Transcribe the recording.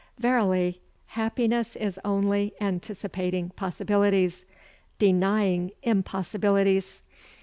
Verily happiness is only anticipating possibilities, denying impossibilities.